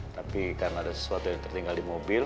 tapi karena ada sesuatu yang tertinggal di mobil